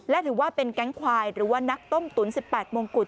และถือว่าเป็นแก๊งควายหรือว่านักต้มตุ๋น๑๘มงกุฎ